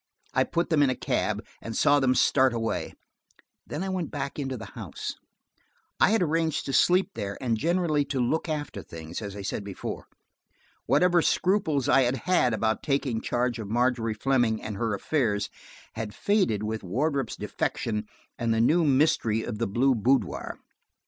I put them in a cab, and saw them start away: then I went back into the house. I had arranged to sleep there and generally to look after things–as I said before. Whatever scruples I had had about taking charge of Margery Fleming and her affairs, had faded with Wardrop's defection and the new mystery of the blue boudoir.